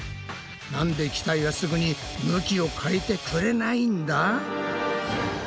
なんで機体はすぐに向きを変えてくれないんだ？